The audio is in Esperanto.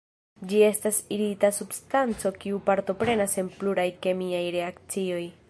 Ĝi estas irita substanco kiu partoprenas en pluraj kemiaj reakcioj.